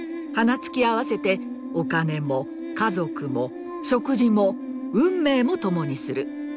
鼻突き合わせてお金も家族も食事も運命も共にする。